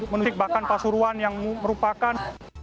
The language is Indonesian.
mudik bahkan pasuruan yang merupakan